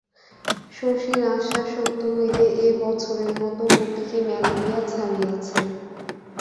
শশীর আশ্বাস সত্য হইলে এ বছরের মতো মতিকে ম্যালেরিয়া ছাড়িয়াছে।